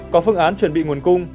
có phương án chuẩn bị nguồn cung